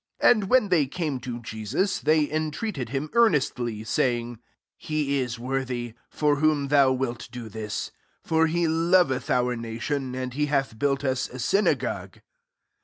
4 And when they came to Jesus, they entreated him earnestly, saying, " He is wor tiij, for whom thou wilt do this: 5 for he loveth our nation ; and he hath built us a synagogue.''